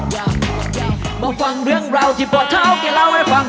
มาฟังเรื่องราวที่ปลอดเท่าเกี่ยวเล่าให้ฟัง